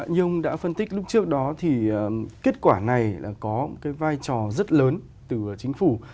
như ông đã phân tích lúc trước đó thì kết quả này là có cái vai trò rất lớn từ chính phủ